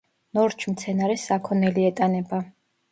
ნორჩ მცენარეს საქონელი ეტანება.